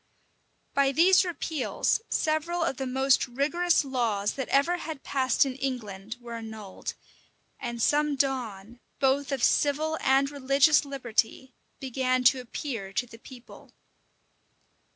By these repeals several of the most rigorous laws that ever had passed in England were annulled; and some dawn, both of civil and religious liberty, began to appear to the people.